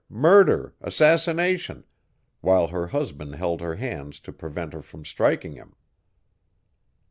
murder! assassination!_ while her husband held her hands to prevent her from striking him.